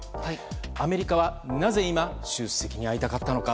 アメリカはなぜ今習主席に会いたかったのか。